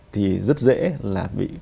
thì rất dễ là bị